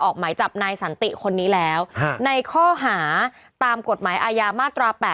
ออกหมายจับนายสันติคนนี้แล้วในข้อหาตามกฎหมายอาญามาตรา๘